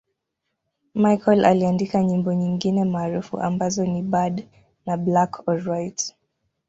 Michael aliandika nyimbo nyingine maarufu ambazo ni 'Bad' na 'Black or White'.